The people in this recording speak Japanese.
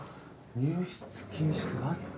入室禁止って何？